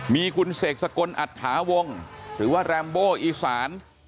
มีคุณเสกสกลอัตถาวงหรือว่าแรมโบอีสาน